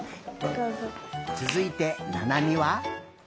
つづいてななみは？